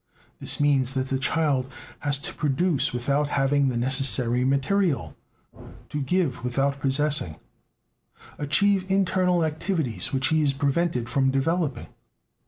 This means that the child has to produce without having the necessary material; to give, without possessing; achieve internal activities which he is prevented from developing.